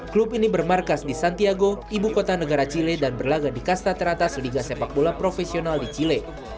klub ini bermarkas di santiago ibu kota negara chile dan berlaga di kasta teratas liga sepak bola profesional di chile